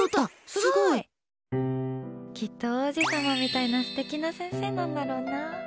すごい！きっと王子様みたいな素敵な先生なんだろうな。